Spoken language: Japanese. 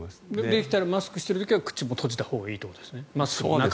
できたらマスクしている時は口も閉じたほうがいいということですね。